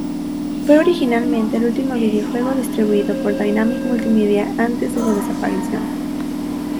Fue originalmente el último videojuego distribuido por Dinamic Multimedia antes de su desaparición.